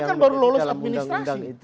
ini kan baru lolos administrasi